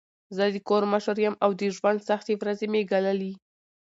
زه د کور مشر یم او د ژوند سختې ورځي مې ګاللي.